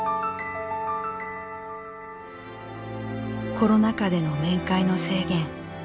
コロナ禍での面会の制限。